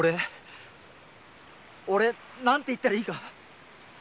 俺何て言ったらいいか。